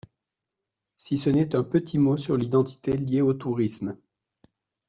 Si ce n’est un petit mot sur l’identité lié au tourisme.